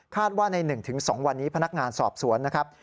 ว่าใน๑๒วันนี้พนักงานสอบสวนนะครับ